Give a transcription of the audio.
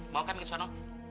mau kan kesana